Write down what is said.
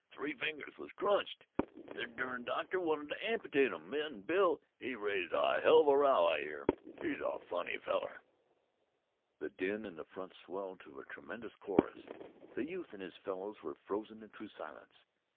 Three fingers was crunched. Th' dern doctor wanted t' amputate 'm, an' Bill, he raised a heluva row, I hear. He's a funny feller." The din in front swelled to a tremendous chorus. The youth and his fellows were frozen to silence.